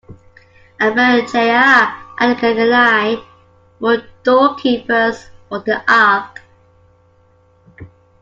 And Berechiah and Elkanah were doorkeepers for the ark.